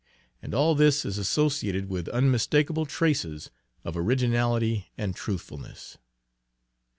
And all this is associated with unmistakable traces of originality and truthfulness.